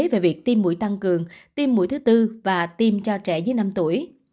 về việc tiêm mũi tăng cường tiêm mũi thứ tư và tiêm cho trẻ dưới năm tuổi